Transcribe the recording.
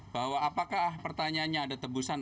bahwa apakah pertanyaannya ada tebusan